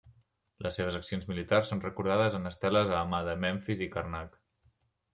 Les seves accions militars són recordades en esteles a Amada, Memfis i Karnak.